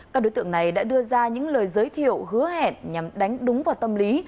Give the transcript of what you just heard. các đối tượng này đã đưa ra những lời giới thiệu hứa hẹn nhằm đánh đúng vào tâm lý